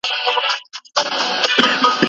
که مسواک ونه وهل شي نو غاښونه به کمزوري شي.